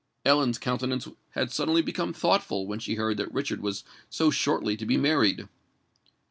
Ellen's countenance had suddenly become thoughtful, when she heard that Richard was so shortly to be married.